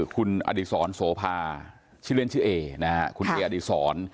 คุณอดีศรโสภาชื่อเล่นชื่อเอนะฮะคุณเออดีศร